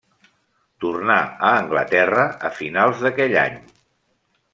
Tornà a Anglaterra a finals d'aquell any.